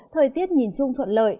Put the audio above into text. thời tiết nhìn chung thuận lợi